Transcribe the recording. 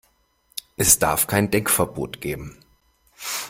Es darf kein Denkverbot geben.